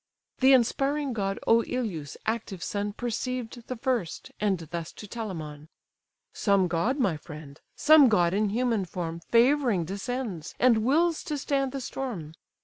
The inspiring god Oïleus' active son Perceived the first, and thus to Telamon: "Some god, my friend, some god in human form Favouring descends, and wills to stand the storm.